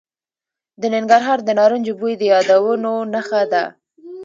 د ننګرهار د نارنجو بوی د یادونو نښه ده.